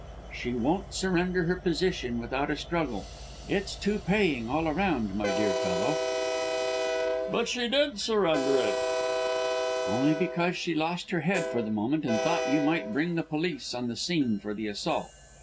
She won't surrender her position without a struggle. It's too paying all round, my dear fellow." "But she did surrender it." "Only because she lost her head for the moment and thought you might bring the police on the scene for the assault.